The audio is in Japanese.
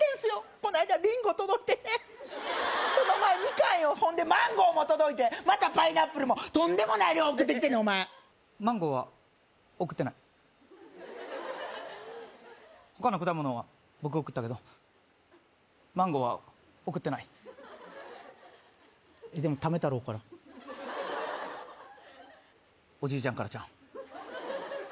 こないだリンゴ届いてねその前ミカンよほんでマンゴーも届いてまたパイナップルもとんでもない量送ってきてんねんマンゴーは送ってない他の果物は僕送ったけどマンゴーは送ってないえっでもタメ太郎からおじいちゃんからちゃうん？